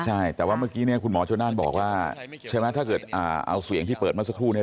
ใช่แต่ว่าเมื่อกี้เนี่ยคุณหมอชนนั่นบอกว่าใช่ไหมถ้าเกิดเอาเสียงที่เปิดเมื่อสักครู่เนี่ย